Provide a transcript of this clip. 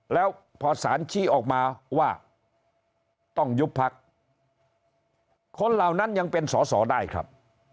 แล้วพอสารชี้ออกมาว่าต้องยุบพักคนเหล่านั้นยังเป็นสอสอได้ครับ